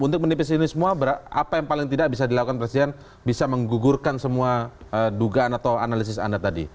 untuk menipis ini semua apa yang paling tidak bisa dilakukan presiden bisa menggugurkan semua dugaan atau analisis anda tadi